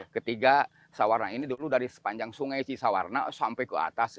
ketiga sawarna ini dulu dari sepanjang sungai cisawarna sampai ke atas